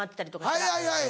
はいはいはい。